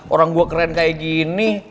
orang gue keren kayak gini